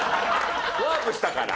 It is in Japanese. ワープしたから。